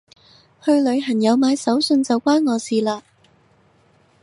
去旅行有買手信就關我事嘞